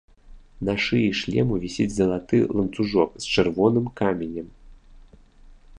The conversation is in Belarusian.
На шыі шлему вісіць залаты ланцужок з чырвоным каменем.